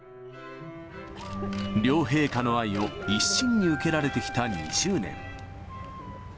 両陛下の愛を一身に受けられてきた２０年。